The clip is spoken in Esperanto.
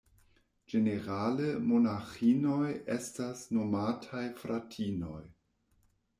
Ĝenerale monaĥinoj estas nomataj "fratinoj".